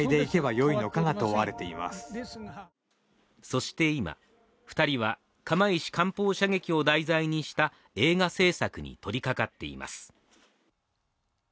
そして今、２人は釜石艦砲射撃を題材にした映画製作に取りかかっています。